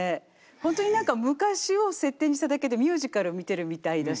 ホントに何か昔を設定にしただけでミュージカルを見てるみたいだし。